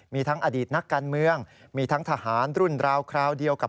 มีทั้งอดีตนักการเมืองมีทั้งทหารรุ่นราวคราวเดียวกับ